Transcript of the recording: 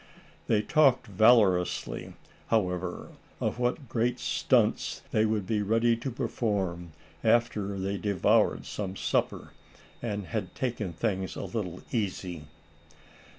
They talked valorously, however, of what great stunts they would be ready to perform after they devoured some supper, and had taken things a little easy.